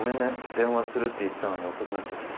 電話するって言ってたのに遅くなっちゃって。